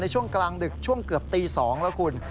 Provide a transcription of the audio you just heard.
ช่วงกลางดึกช่วงเกือบตี๒แล้วคุณ